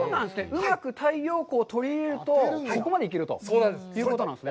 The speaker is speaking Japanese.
うまく太陽光を取り入れると、ここまで行けるということなんですね。